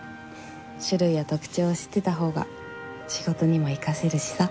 種類や特徴を知ってたほうが仕事にも生かせるしさ。